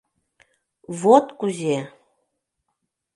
Вот кузе!